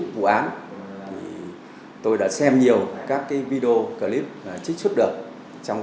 vụ án tôi đã xem nhiều các video clip trích xuất được trong